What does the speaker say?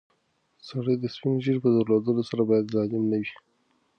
سړی د سپینې ږیرې په درلودلو سره باید ظالم نه وای.